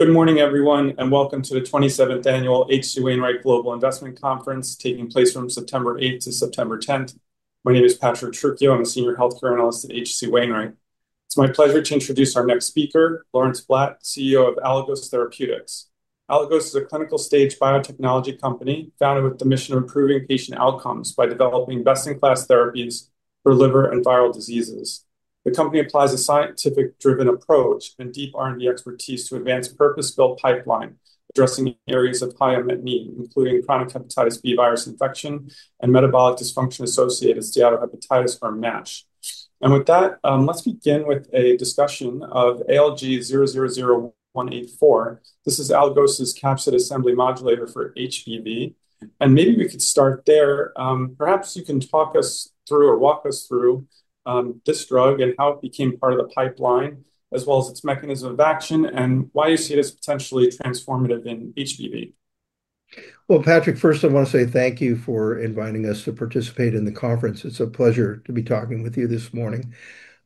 Good morning, everyone, and welcome to the 27th Annual H.C. Wainwright Global Investment Conference, taking place from September 8th - September 10th. My name is Patrick Trucchio. I'm a Senior Healthcare Analyst at H.C. Wainwright. It's my pleasure to introduce our next speaker, Lawrence Blatt, CEO of Aligos Therapeutics. Aligos is a clinical-stage biotechnology company founded with the mission of improving patient outcomes by developing best-in-class therapies for liver and viral diseases. The company applies a scientific-driven approach and deep R&D expertise to advance a purpose-built pipeline addressing areas of high unmet need, including chronic hepatitis B virus infection and metabolic dysfunction-associated steatohepatitis or M ASH. With that, let's begin with a discussion of ALG-000184. This is Aligos's capsid assembly modulator for HBV. Maybe we could start there. Perhaps you can talk us through or walk us through this drug and how it became part of the pipeline, as well as its mechanism of action and why you see it as potentially transformative in HBV. Patrick, first I want to say thank you for inviting us to participate in the conference. It's a pleasure to be talking with you this morning.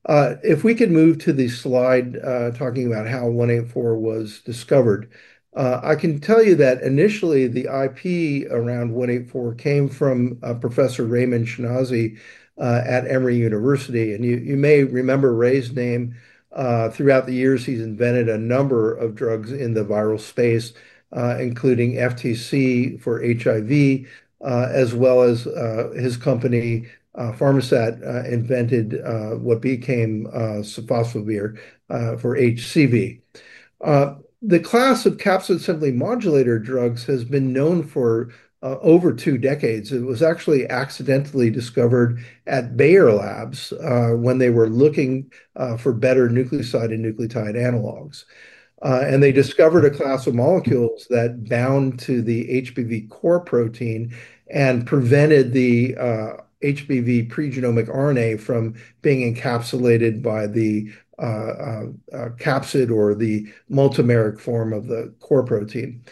If we could move to the slide talking about how ALG-000184 was discovered, I can tell you that initially the IP around ALG-000184 came from Professor Raymond Schinazi at Emory University. You may remember Ray's name. Throughout the years, he's invented a number of drugs in the viral space, including FTC for HIV, as well as his company, Pharmasset, invented what became sofosbuvir for HCV. The class of capsid assembly modulator drugs has been known for over two decades. It was actually accidentally discovered at Bayer Labs when they were looking for better nucleoside and nucleotide analogs. They discovered a class of molecules that bound to the HBV core protein and prevented the HBV pregenomic RNA from being encapsulated by the capsid or the multimeric form of the core protein.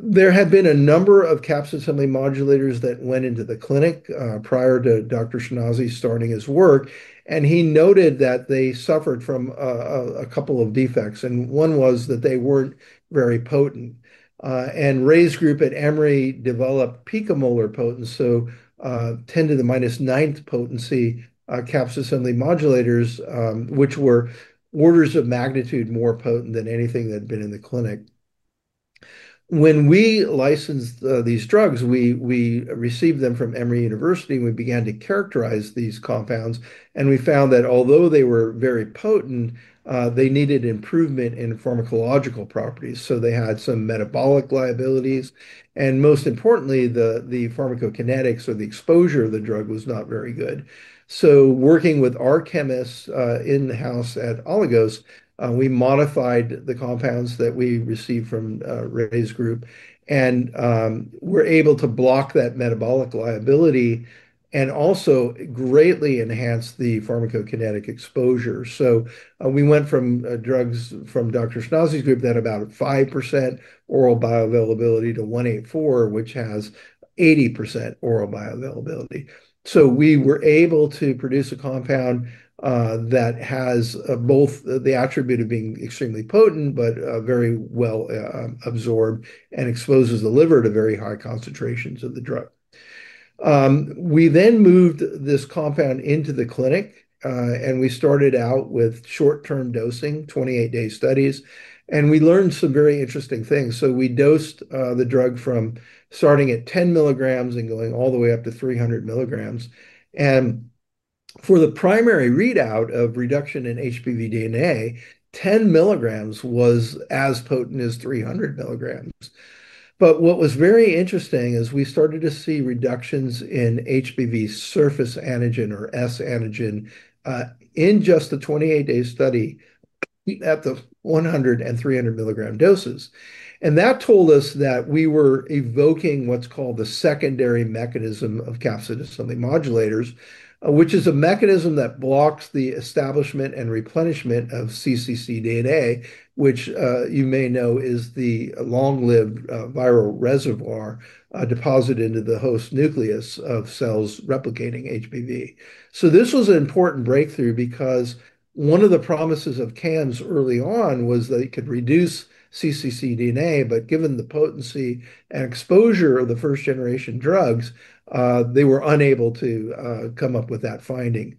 There had been a number of capsid assembly modulators that went into the clinic prior to Dr. Schinazi starting his work. He noted that they suffered from a couple of defects. One was that they weren't very potent. Ray's group at Emory developed picomolar potency, so 10 to the minus ninth potency capsid assembly modulators, which were orders of magnitude more potent than anything that had been in the clinic. When we licensed these drugs, we received them from Emory University, and we began to characterize these compounds. We found that although they were very potent, they needed improvement in pharmacological properties. They had some metabolic liabilities. Most importantly, the pharmacokinetics or the exposure of the drug was not very good. Working with our chemists in the house at Aligos, we modified the compounds that we received from Ray's group and were able to block that metabolic liability and also greatly enhance the pharmacokinetic exposure. We went from drugs from Dr. Schinazi's group that had about 5% oral bioavailability to ALG-000184, which has 80% oral bioavailability. We were able to produce a compound that has both the attribute of being extremely potent but very well absorbed and exposes the liver to very high concentrations of the drug. We then moved this compound into the clinic, and we started out with short-term dosing, 28-day studies. We learned some very interesting things. We dosed the drug from starting at 10 mg and going all the way up to 300 mg. For the primary readout of reduction in HBV DNA, 10 mg was as potent as 300 mg. What was very interesting is we started to see reductions in HBV surface antigen, or S antigen, in just a 28-day study at the 100 mg and 300 mg doses. That told us that we were evoking what's called the secondary mechanism of capsid assembly modulators, which is a mechanism that blocks the establishment and replenishment of ccc DNA, which you may know is the long-lived viral reservoir deposited into the host nucleus of cells replicating HBV. This was an important breakthrough because one of the promises of CAM s early on was that it could reduce ccc DNA. Given the potency and exposure of the first-generation drugs, they were unable to come up with that finding.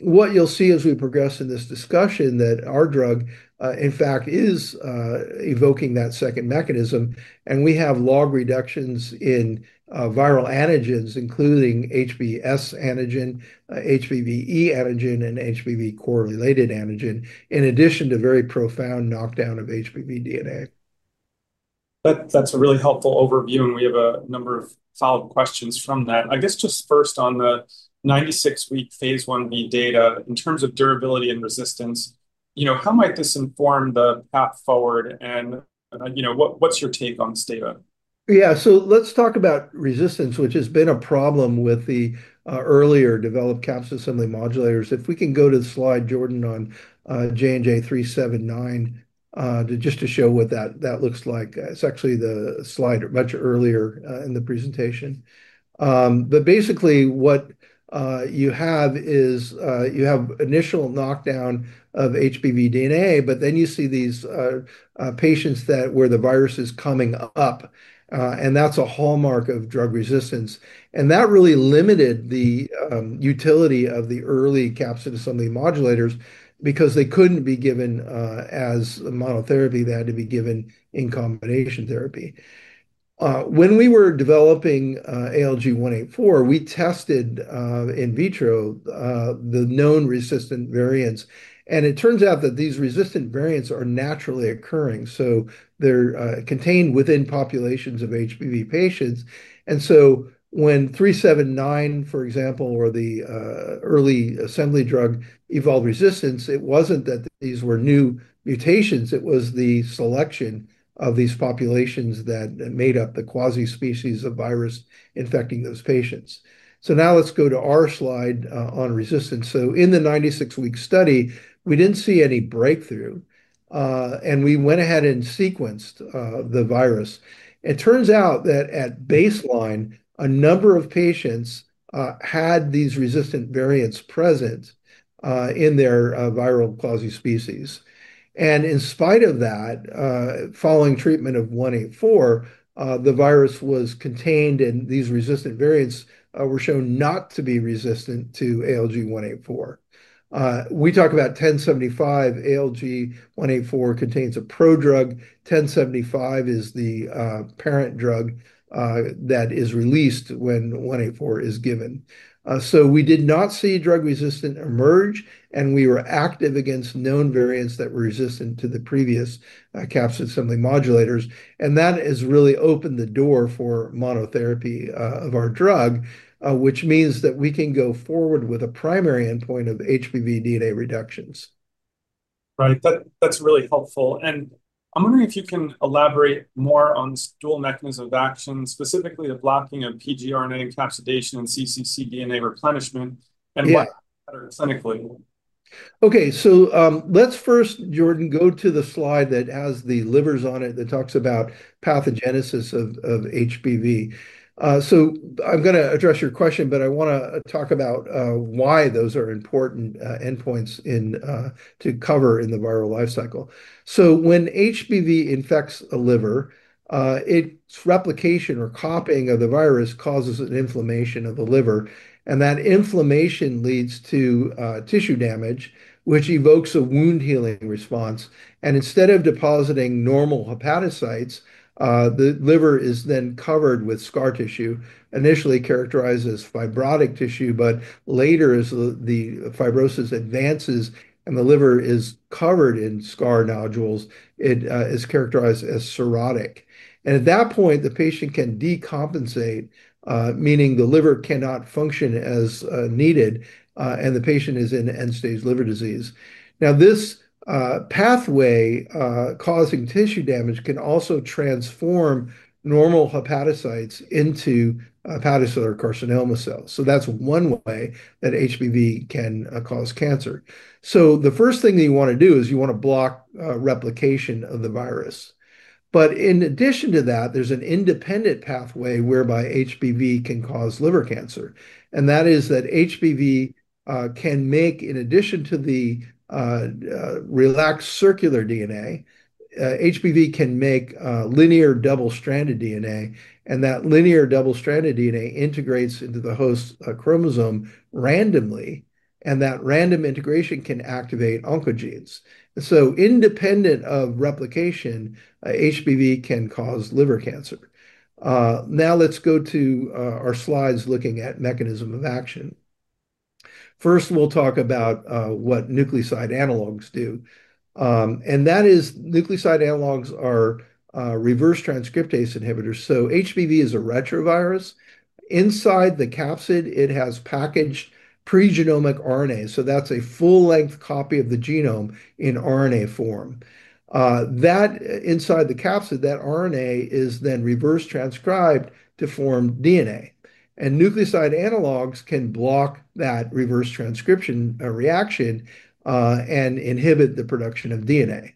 What you'll see as we progress in this discussion is that our drug, in fact, is evoking that second mechanism. We have log reductions in viral antigens, including HBs antigen, HBVe antigen, and HBV core-related antigen, in addition to very profound knockdown of HBV DNA. That's a really helpful overview. We have a number of follow-up questions from that. I guess just first on the 96-week phase I-B data in terms of durability and resistance. How might this inform the path forward? What's your take on this data? Yeah, so let's talk about resistance, which has been a problem with the earlier developed capsid assembly modulators. If we can go to slide Jordan on [JNJ 379], just to show what that looks like. It's actually the slide much earlier in the presentation. Basically, what you have is you have initial knockdown of HBV DNA, but then you see these patients where the virus is coming up. That's a hallmark of drug resistance. That really limited the utility of the early capsid assembly modulators because they couldn't be given as monotherapy. They had to be given in combination therapy. When we were developing ALG-000184, we tested in vitro the known resistant variants. It turns out that these resistant variants are naturally occurring, so they're contained within populations of HBV patients. When 379, for example, or the early assembly drug evolved resistance, it wasn't that these were new mutations. It was the selection of these populations that made up the quasi-species of virus infecting those patients. Now let's go to our slide on resistance. In the 96-week study, we didn't see any breakthrough, and we went ahead and sequenced the virus. It turns out that at baseline, a number of patients had these resistant variants present in their viral quasi-species. In spite of that, following treatment of ALG-000184, the virus was contained, and these resistant variants were shown not to be resistant to ALG-000184. We talk about 1075. ALG-000184 contains a prodrug. 1075 is the parent drug that is released when ALG-000184 is given. We did not see drug resistance emerge, and we were active against known variants that were resistant to the previous capsid assembly modulators. That has really opened the door for monotherapy of our drug, which means that we can go forward with a primary endpoint of HBV DNA reductions. Right. That's really helpful. I'm wondering if you can elaborate more on this dual mechanism of action, specifically the blocking of pgRNA encapsulation and ccc DNA replenishment, and what better clinically. OK, let's first, Jordan, go to the slide that has the livers on it that talks about pathogenesis of HBV. I'm going to address your question. I want to talk about why those are important endpoints to cover in the viral lifecycle. When HBV infects a liver, its replication or copying of the virus causes an inflammation of the liver. That inflammation leads to tissue damage, which evokes a wound healing response. Instead of depositing normal hepatocytes, the liver is then covered with scar tissue, initially characterized as fibrotic tissue. Later, as the fibrosis advances and the liver is covered in scar nodules, it is characterized as cirrhotic. At that point, the patient can decompensate, meaning the liver cannot function as needed, and the patient is in end-stage liver disease. This pathway causing tissue damage can also transform normal hepatocytes into hepatocellular carcinoma cells. That's one way that HBV can cause cancer. The first thing that you want to do is you want to block replication of the virus. In addition to that, there's an independent pathway whereby HBV can cause liver cancer. HBV can make, in addition to the relaxed circular DNA, linear double-stranded DNA. That linear double-stranded DNA integrates into the host chromosome randomly, and that random integration can activate oncogenes. Independent of replication, HBV can cause liver cancer. Let's go to our slides looking at mechanism of action. First, we'll talk about what nucleoside analogs do. Nucleoside analogs are reverse transcriptase inhibitors. HBV is a retrovirus. Inside the capsid, it has packaged pregenomic RNA, which is a full-length copy of the genome in RNA form. Inside the capsid, that RNA is then reverse transcribed to form DNA. Nucleoside analogs can block that reverse transcription reaction and inhibit the production of DNA.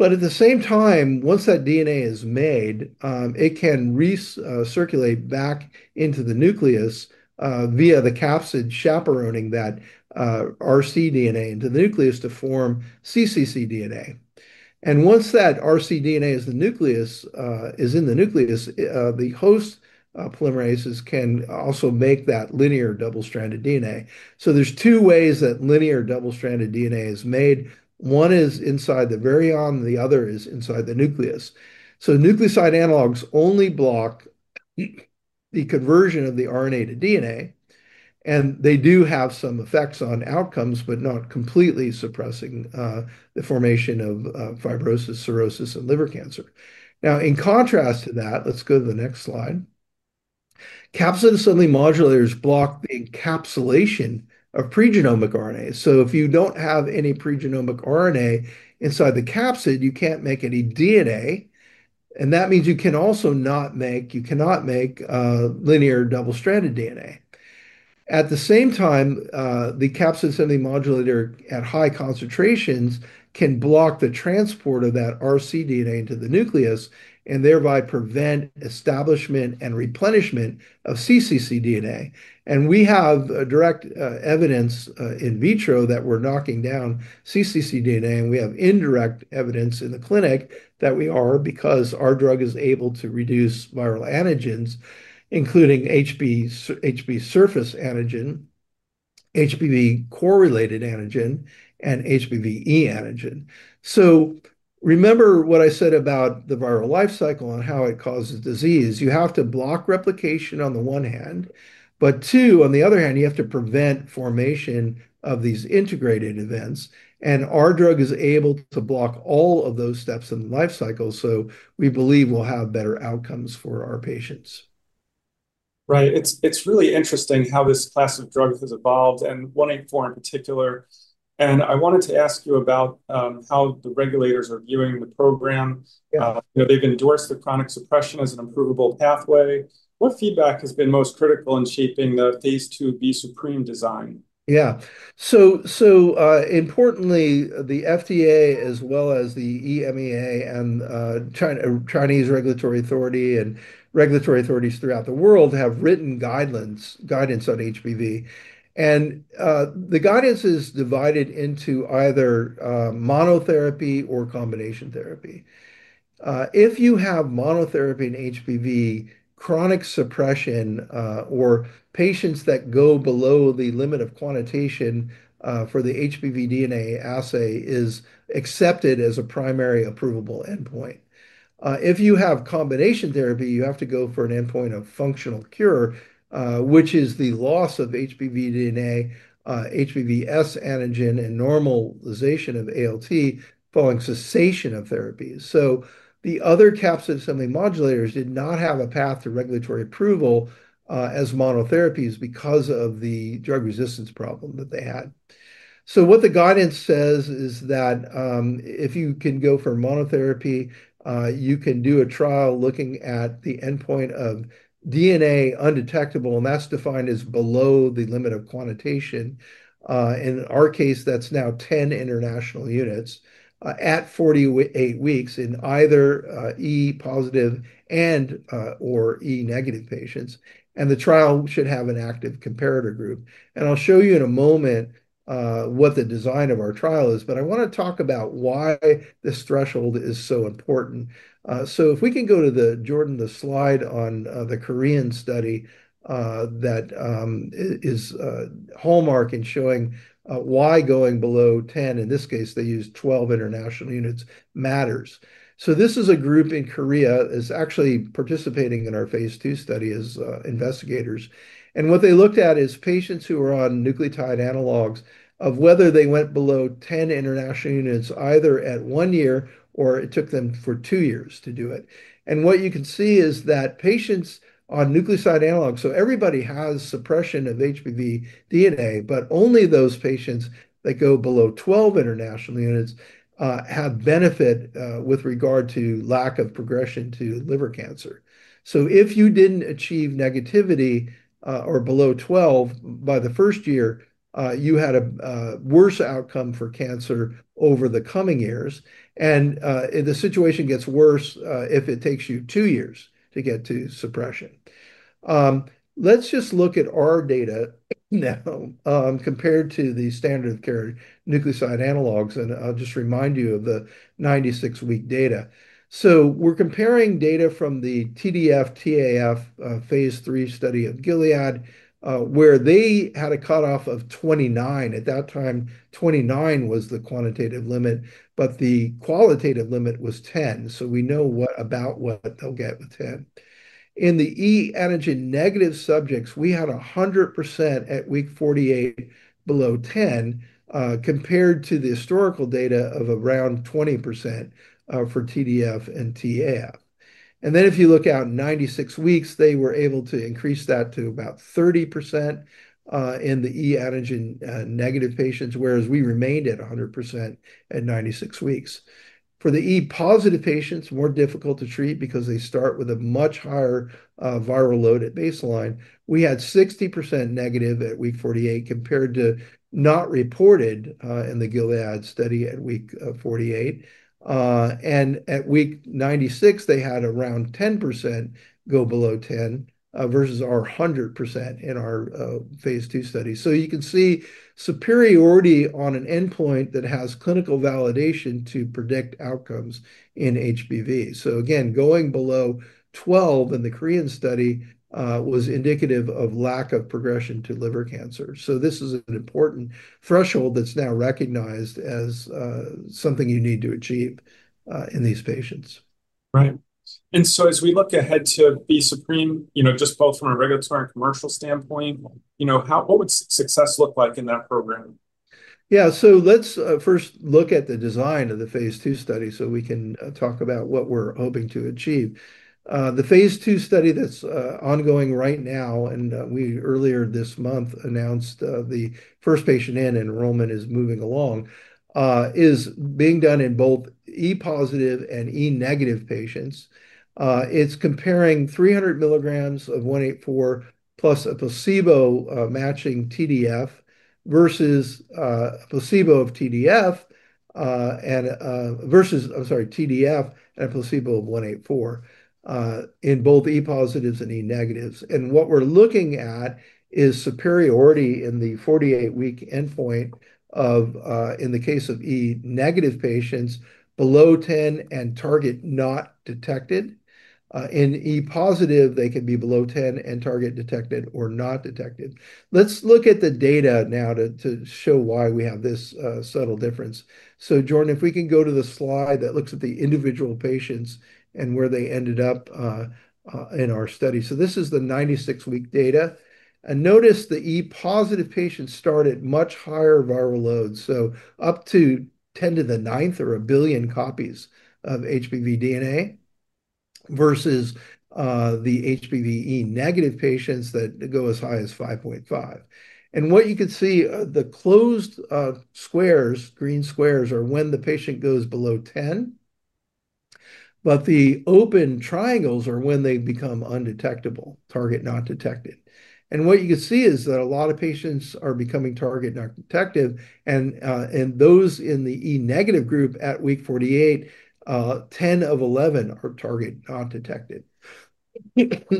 At the same time, once that DNA is made, it can recirculate back into the nucleus via the capsid chaperoning that rcDNA into the nucleus to form ccc DNA. Once that rcD NA is in the nucleus, the host polymerases can also make that linear double-stranded DNA. There are two ways that linear double-stranded DNA is made. One is inside the virion, the other is inside the nucleus. Nucleoside analogs only block the conversion of the RNA to DNA. They do have some effects on outcomes, but not completely suppressing the formation of fibrosis, cirrhosis, and liver cancer. In contrast to that, let's go to the next slide. Capsid assembly modulators block the encapsulation of pregenomic RNA. If you don't have any pregenomic RNA inside the capsid, you can't make any DNA, and that means you can also not make, you cannot make linear double-stranded DNA. At the same time, the capsid assembly modulator at high concentrations can block the transport of that rcDNA into the nucleus and thereby prevent establishment and replenishment of ccc DNA. We have direct evidence in vitro that we're knocking down ccc DNA, and we have indirect evidence in the clinic that we are because our drug is able to reduce viral antigens, including HB surface antigen, HBV core-related antigen, and HBe antigen. Remember what I said about the viral lifecycle and how it causes disease. You have to block replication on the one hand, but on the other hand, you have to prevent formation of these integrated events. Our drug is able to block all of those steps in the lifecycle. We believe we'll have better outcomes for our patients. Right. It's really interesting how this class of drug has evolved, and one for in particular. I wanted to ask you about how the regulators are viewing the program. They've endorsed the chronic suppression as an improvable pathway. What feedback has been most critical in shaping the phase II B- SUPREME design? Yeah, so importantly, the FDA, as well as the EMA and the Chinese Regulatory Authority and regulatory authorities throughout the world, have written guidance on HBV. The guidance is divided into either monotherapy or combination therapy. If you have monotherapy in HBV, chronic suppression or patients that go below the limit of quantitation for the HBV DNA assay is accepted as a primary approvable endpoint. If you have combination therapy, you have to go for an endpoint of functional cure, which is the loss of HBV DNA, HBs antigen, and normalization of ALT following cessation of therapies. The other capsid assembly modulators did not have a path to regulatory approval as monotherapies because of the drug resistance problem that they had. What the guidance says is that if you can go for monotherapy, you can do a trial looking at the endpoint of DNA undetectable. That's defined as below the limit of quantitation. In our case, that's now 10 IU at 48 weeks in either E- positive or E- negative patients. The trial should have an active comparator group. I'll show you in a moment what the design of our trial is. I want to talk about why this threshold is so important. If we can go to the, Jordan, the slide on the Korean study that is a hallmark in showing why going below 10 IU, in this case, they used 12 IU, matters. This is a group in Korea that's actually participating in our phase II study as investigators. What they looked at is patients who were on nucleotide analogs of whether they went below 10 IU either at one year or it took them for two years to do it. What you can see is that patients on nucleoside analogs, so everybody has suppression of HBV DNA. Only those patients that go below 12 IU have benefit with regard to lack of progression to liver cancer. If you didn't achieve negativity or below 12 IU by the first year, you had a worse outcome for cancer over the coming years. The situation gets worse if it takes you two years to get to suppression. Let's just look at our data now compared to the standard of care nucleoside analogs. I'll just remind you of the 96-week data. We're comparing data from the TDF/TAF phase III study at Gilead, where they had a cutoff of 29 IU. At that time, 29 IU was the quantitative limit. The qualitative limit was 10 IU. We know about what they'll get with 10 IU. In the E- antigen negative subjects, we had 100% at week 48 below 10, compared to the historical data of around 20% for TDF and TAF. If you look out 96 weeks, they were able to increase that to about 30% in the E- antigen- negative patients, whereas we remained at 100% at- 96 weeks. For the E- positive patients, more difficult to treat because they start with a much higher viral load at baseline, we had 60% negative at week 48 compared to not reported in the Gilead study at week 48. At week 96, they had around 10% go below 10 IU versus our 100% in our phase II study. You can see superiority on an endpoint that has clinical validation to predict outcomes in HBV. Going below 12 IU in the Korean study was indicative of lack of progression to liver cancer. This is an important threshold that's now recognized as something you need to achieve in these patients. Right. As we look ahead to B - SUPREME, just both from a regulatory and commercial standpoint, what would success look like in that program? Yeah, so let's first look at the design of the phase II study so we can talk about what we're hoping to achieve. The phase II study that's ongoing right now, and we earlier this month announced the first patient in, enrollment is moving along, is being done in both E- positive and E- negative patients. It's comparing 300 mg of ALG-000184 plus a placebo matching TDF versus a placebo of TDF and a placebo of ALG-000184 in both E- positives and E- negatives. What we're looking at is superiority in the 48-week endpoint in the case of E negative patients below 10 IU and target not detected. In E- positive, they can be below 10 IU and target detected or not detected. Let's look at the data now to show why we have this subtle difference. Jordan, if we can go to the slide that looks at the individual patients and where they ended up in our study. This is the 96-week data. Notice the E- positive patients start at much higher viral loads, so up to 10 to the ninth or a billion copies of HBV DNA versus the HBV E- negative patients that go as high as 5.5. What you can see, the closed squares, green squares, are when the patient goes below 10. The open triangles are when they become undetectable, target not detected. What you can see is that a lot of patients are becoming target not detected. Those in the E- negative group at week 48, 10 of 11 are target not detected,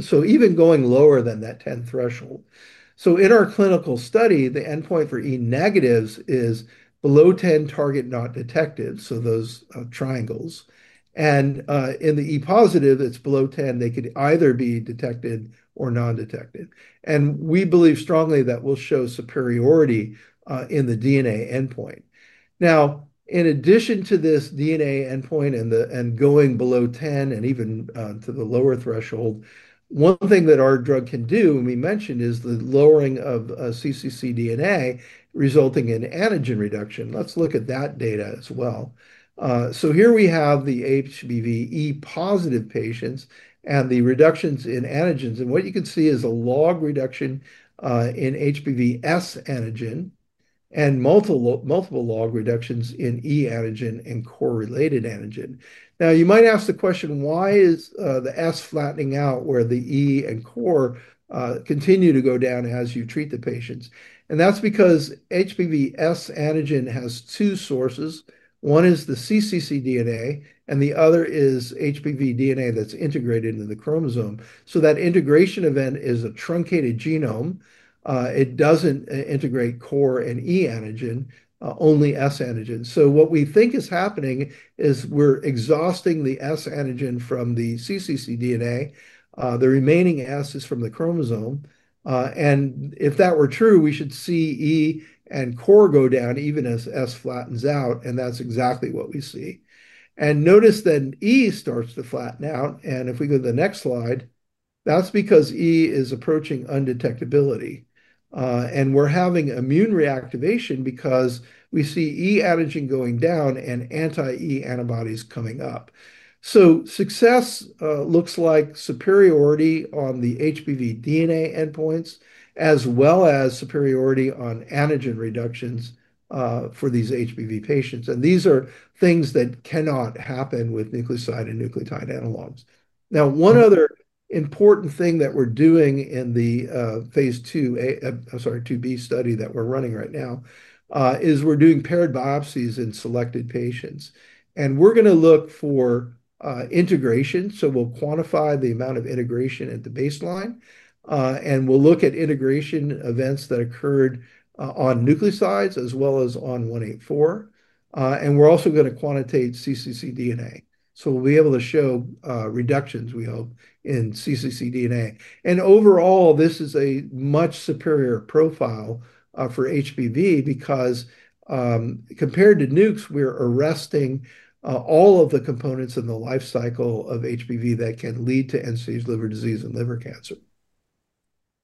so even going lower than that 10 IU threshold. In our clinical study, the endpoint for E- negatives is below 10, target not detected, so those triangles. In the E- positive, it's below 10 IU. They could either be detected or non-detected. We believe strongly that we'll show superiority in the DNA endpoint. In addition to this DNA endpoint and going below 10 IU and even to the lower threshold, one thing that our drug can do, and we mentioned, is the lowering of ccc DNA, resulting in antigen reduction. Let's look at that data as well. Here we have the HBV E- positive patients and the reductions in antigens. What you can see is a log reduction in HBV S antigen and multiple log reductions in E antigen and core-related antigen. You might ask the question, why is the S flattening out where the E and core continue to go down as you treat the patients? That's because HBV S antigen has two sources. One is the ccc DNA. The other is HBV DNA that's integrated into the chromosome. That integration event is a truncated genome. It doesn't integrate core and E antigen, only S antigen. What we think is happening is we're exhausting the S antigen from the ccc DNA. The remaining S is from the chromosome. If that were true, we should see E and core go down even as S flattens out. That's exactly what we see. Notice then E starts to flatten out. If we go to the next slide, that's because E is approaching undetectability. We're having immune reactivation because we see E antigen going down and anti-E antibodies coming up. Success looks like superiority on the HBV DNA endpoints, as well as superiority on antigen reductions for these HBV patients. These are things that cannot happen with nucleoside and nucleotide analogs. One other important thing that we're doing in the phase II-B study that we're running right now is we're doing paired biopsies in selected patients. We're going to look for integration. We'll quantify the amount of integration at the baseline. We'll look at integration events that occurred on nucleosides, as well as on ALG-000184. We're also going to quantitate ccc DNA. We'll be able to show reductions, we hope, in ccc DNA. Overall, this is a much superior profile for HBV because compared to NUCs, we're arresting all of the components in the lifecycle of HBV that can lead to end-stage liver disease and liver cancer.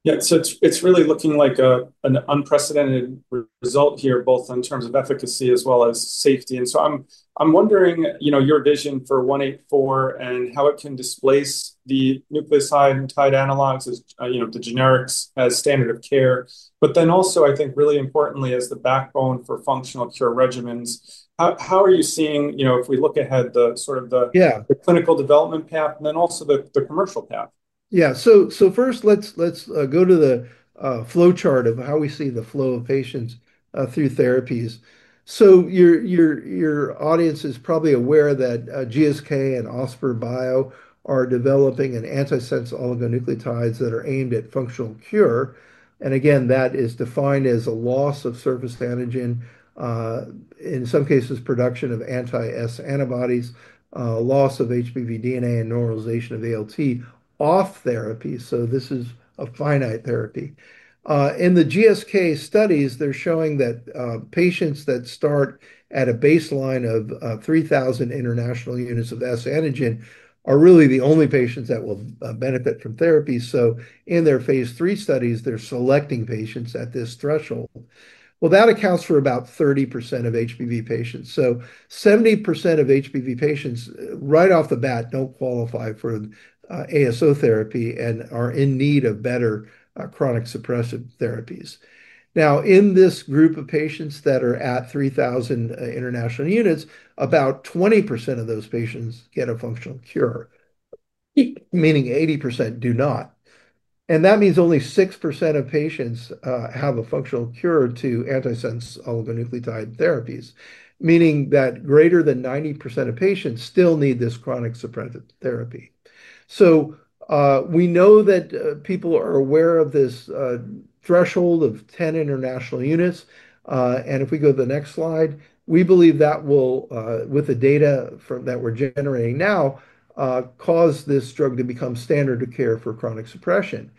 Yeah, so it's really looking like an unprecedented result here, both in terms of efficacy as well as safety. I'm wondering your vision for ALG-000184 and how it can displace the nucleoside analogs, the generics as standard of care. I think really importantly, as the backbone for functional cure regimens, how are you seeing, if we look ahead, the sort of the clinical development path and also the commercial path? Yeah, so first, let's go to the flowchart of how we see the flow of patients through therapies. Your audience is probably aware that GSK and Osprey Bio are developing antisense oligonucleotides that are aimed at functional cure. Again, that is defined as a loss of surface antigen, in some cases production of anti-S antibodies, loss of HBV DNA, and normalization of ALT off therapy. This is a finite therapy. In the GSK studies, they're showing that patients that start at a baseline of 3,000 IU of S antigen are really the only patients that will benefit from therapy. In their phase III studies, they're selecting patients at this threshold. That accounts for about 30% of HBV patients. 70% of HBV patients right off the bat don't qualify for ASO therapy and are in need of better chronic suppressive therapies. In this group of patients that are at 3,000 IU, about 20% of those patients get a functional cure, meaning 80% do not. That means only 6% of patients have a functional cure to antisense oligonucleotide therapies, meaning that greater than 90% of patients still need this chronic suppressive therapy. We know that people are aware of this threshold of 10 IU. If we go to the next slide, we believe that will, with the data that we're generating now, cause this drug to become standard of care for chronic suppression.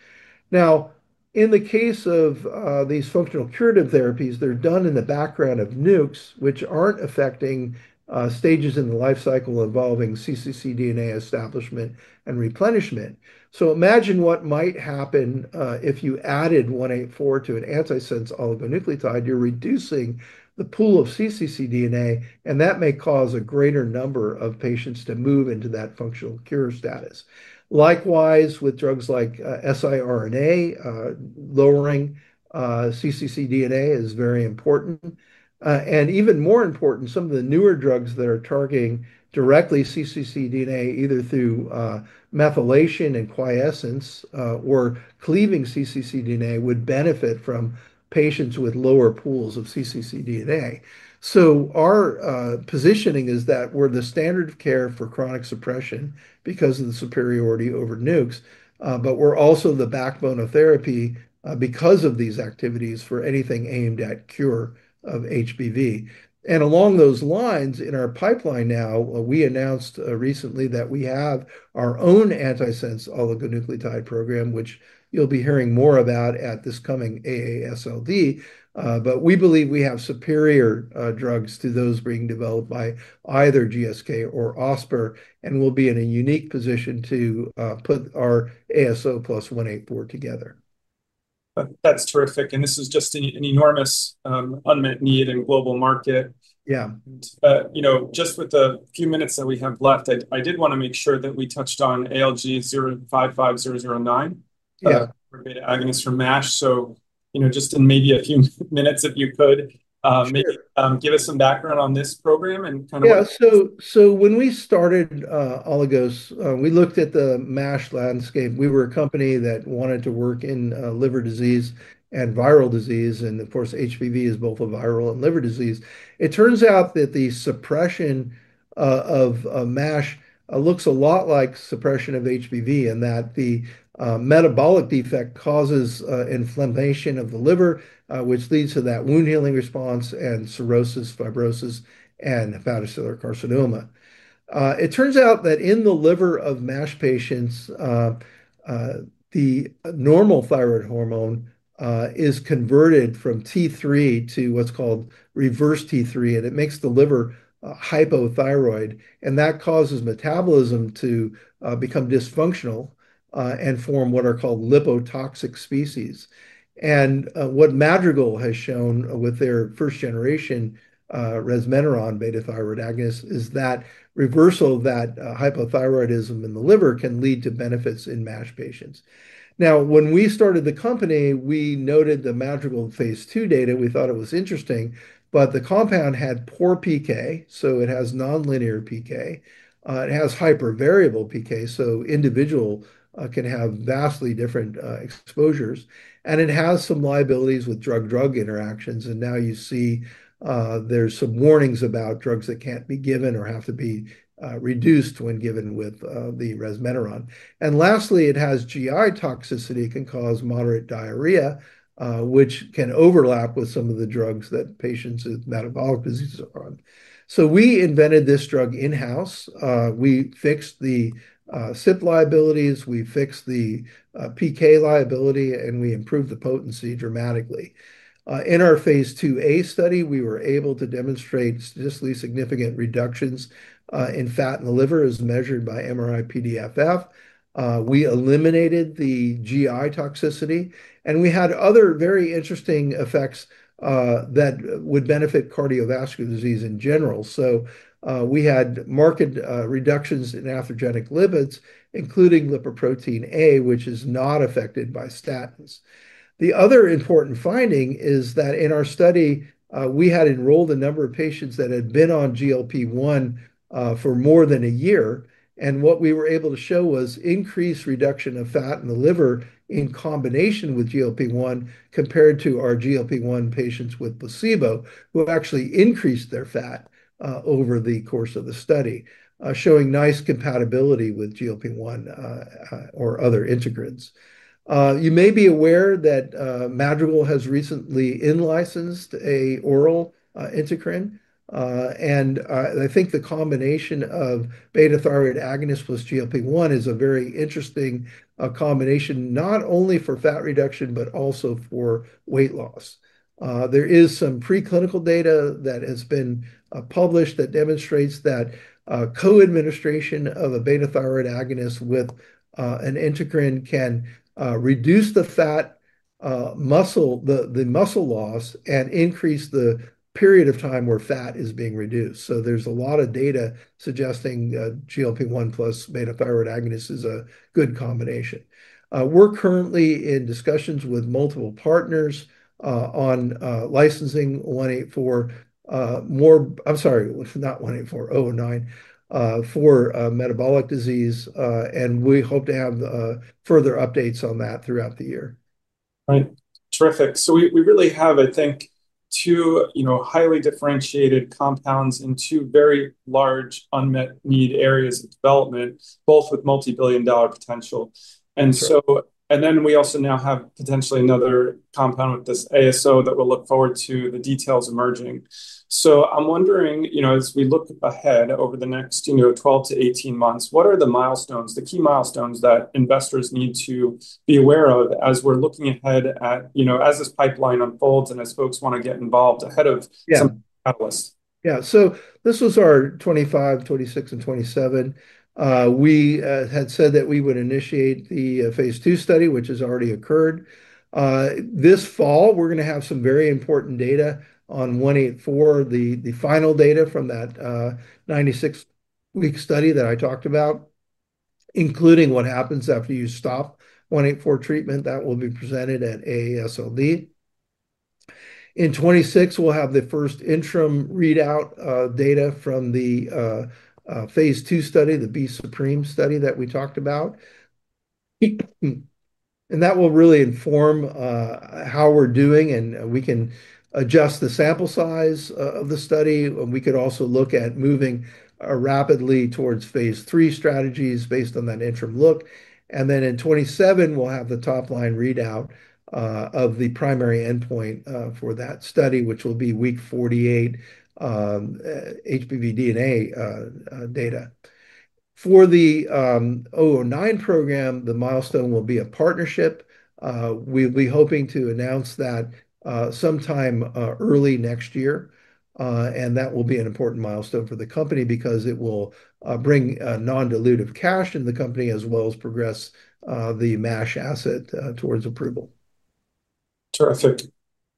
In the case of these functional curative therapies, they're done in the background of NUCs, which aren't affecting stages in the lifecycle involving ccc DNA establishment and replenishment. Imagine what might happen if you added ALG-000184 to an antisense oligonucleotide. You're reducing the pool of ccc DNA. That may cause a greater number of patients to move into that functional cure status. Likewise, with drugs like siRNA, lowering ccc DNA is very important. Even more important, some of the newer drugs that are targeting directly ccc DNA, either through methylation and quiescence or cleaving ccc DNA, would benefit from patients with lower pools of ccc DNA. Our positioning is that we're the standard of care for chronic suppression because of the superiority over NUCs. We're also the backbone of therapy because of these activities for anything aimed at cure of HBV. Along those lines, in our pipeline now, we announced recently that we have our own antisense oligonucleotide program, which you'll be hearing more about at this coming AASLD. We believe we have superior drugs to those being developed by either GSK or Osprey. We'll be in a unique position to put our ASO plus ALG-000184 together. That's terrific. This is just an enormous unmet need in the global market. Yeah. You know, just with the few minutes that we have left, I did want to make sure that we touched on ALG-055009, beta agonists for MASH. In maybe a few minutes, if you could, give us some background on this program and kind of. Yeah, so when we started Aligos, we looked at the MASH landscape. We were a company that wanted to work in liver disease and viral disease. Of course, HBV is both a viral and liver disease. It turns out that the suppression of MASH looks a lot like suppression of HBV in that the metabolic defect causes inflammation of the liver, which leads to that wound healing response and cirrhosis, fibrosis, and hepatocellular carcinoma. It turns out that in the liver of MASH patients, the normal thyroid hormone is converted from T3 to what's called reverse T3, and it makes the liver hypothyroid. That causes metabolism to become dysfunctional and form what are called lipotoxic species. What Madrigal has shown with their first generation resmetirom beta thyroid agonist is that reversal of that hypothyroidism in the liver can lead to benefits in MASH patients. Now, when we started the company, we noted the Madrigal phase II data. We thought it was interesting, but the compound had poor PK. It has nonlinear PK, it has hypervariable PK, so individuals can have vastly different exposures, and it has some liabilities with drug-drug interactions. Now you see there's some warnings about drugs that can't be given or have to be reduced when given with the resmetirom. Lastly, it has GI toxicity. It can cause moderate diarrhea, which can overlap with some of the drugs that patients with metabolic disease are on. We invented this drug in-house. We fixed the CYP liabilities, we fixed the PK liability, and we improved the potency dramatically. In our phase II-A study, we were able to demonstrate significant reductions in fat in the liver as measured by MRI PDFF. We eliminated the GI toxicity, and we had other very interesting effects that would benefit cardiovascular disease in general. We had marked reductions in atherogenic lipids, including lipoprotein A, which is not affected by statins. The other important finding is that in our study, we had enrolled a number of patients that had been on GLP-1 for more than a year. What we were able to show was increased reduction of fat in the liver in combination with GLP-1 compared to our GLP-1 patients with placebo, who actually increased their fat over the course of the study, showing nice compatibility with GLP-1 or other integrins. You may be aware that Madrigal has recently in-licensed an oral [integrin]. The combination of beta thyroid agonist plus GLP-1 is a very interesting combination, not only for fat reduction but also for weight loss. There is some preclinical data that has been published that demonstrates that co-administration of a beta thyroid a gonist with an integrin can reduce the fat muscle loss and increase the period of time where fat is being reduced. There is a lot of data suggesting GLP-1 plus beta thyroid agonist is a good combination. We're currently in discussions with multiple partners on licensing ALG-055009 for metabolic disease, and we hope to have further updates on that throughout the year. Right. Terrific. We really have, I think, two highly differentiated compounds in two very large unmet need areas of development, both with multibillion dollar potential. We also now have potentially another compound with this ASO that we'll look forward to the details emerging. I'm wondering, as we look ahead over the next 12 months - 18 months, what are the milestones, the key milestones that investors need to be aware of as we're looking ahead at, as this pipeline unfolds and as folks want to get involved ahead of some of the catalysts? Yeah, so this was our 2025, 2026, and 2027. We had said that we would initiate the phase II study, which has already occurred. This fall, we're going to have some very important data on ALG-000184, the final data from that 96-week study that I talked about, including what happens after you stop ALG-000184 treatment. That will be presented at AASLD. In 2026, we'll have the first interim readout data from the phase II study, the B - SUPREME study that we talked about. That will really inform how we're doing, and we can adjust the sample size of the study. We could also look at moving rapidly towards phase III strategies based on that interim look. In 2027, we'll have the top line readout of the primary endpoint for that study, which will be week 48 HBV DNA data. For the ALG-055009 program, the milestone will be a partnership. We'll be hoping to announce that sometime early next year. That will be an important milestone for the company because it will bring non-dilutive cash in the company, as well as progress the MASH asset towards approval. Terrific.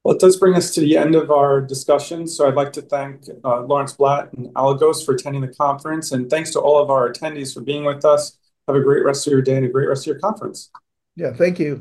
It does bring us to the end of our discussion. I'd like to thank Lawrence Blatt and Aligos for attending the conference. Thanks to all of our attendees for being with us. Have a great rest of your day and a great rest of your conference. Thank you.